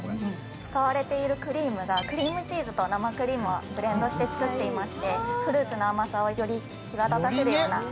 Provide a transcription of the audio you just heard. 使われているクリームがクリームチーズと生クリームをブレンドして作っていまして、フルーツの甘さをより際立たせるような。